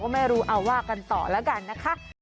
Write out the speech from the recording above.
ไม่รู้เอาว่ากันต่อแล้วกันนะคะ